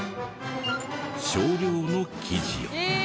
少量の生地を。